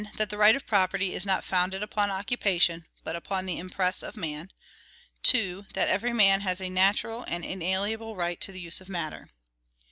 That the right of property is not founded upon occupation, but upon the impress of man; 2. That every man has a natural and inalienable right to the use of matter.